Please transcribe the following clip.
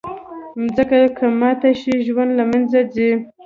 مځکه که ماته شي، ژوند له منځه ځي.